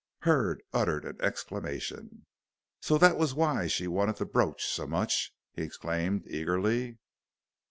Hurd uttered an exclamation. "So that was why she wanted the brooch so much?" he exclaimed eagerly.